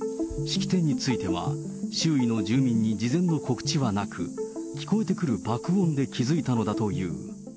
式典については、周囲の住民に事前の告知はなく、聞こえてくる爆音で気付いたのだという。